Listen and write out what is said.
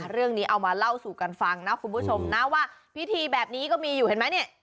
เรื่องนี้เอามาเล่าสู่กันฟังนะคุณผู้ชมนะว่าพิธีแบบนี้ก็มีอยู่เห็นไหมเนี่ย